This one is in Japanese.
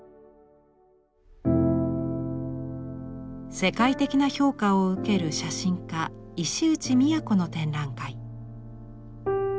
世界的な評価を受ける写真家石内都の展覧会。